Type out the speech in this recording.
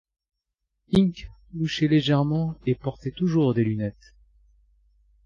Ink louchait légèrement et portait toujours des lunettes.